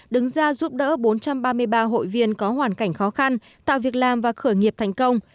đứng ra giúp đỡ bốn trăm ba mươi ba hội viên có hoàn cảnh khó khăn tạo việc làm và khởi nghiệp thành công